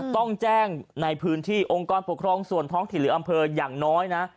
ต้องแจ้งในพื้นที่องค์กรปกครองส่วนท้องถิ่นหรืออำเภออย่างน้อยนะ